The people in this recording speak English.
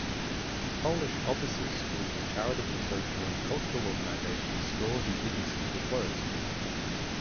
Polish offices, schools, charitable social and cultural organizations, stores and businesses were closed.